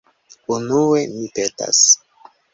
Unue, mi petas...